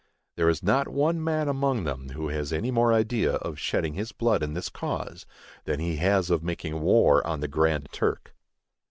There is not one man among them who has any more idea of shedding his blood in this cause than he has of making war on the Grand Turk.